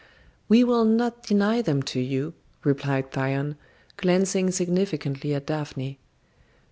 "We will not deny them to you," replied Thyone, glancing significantly at Daphne.